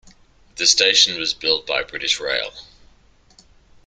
The station was built by British Rail.